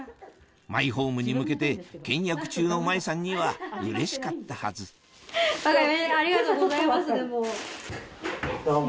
マイホームに向けて倹約中の麻衣さんにはうれしかったはずありがとうございますでも。